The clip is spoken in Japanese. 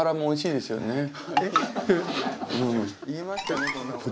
おいしいですよね。